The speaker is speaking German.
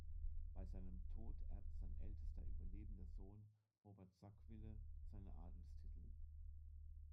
Bei seinem Tod erbte sein ältester überlebender Sohn Robert Sackville seine Adelstitel.